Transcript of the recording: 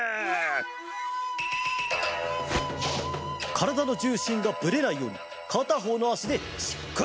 からだのじゅうしんがぶれないようにかたほうのあしでしっかりたつ。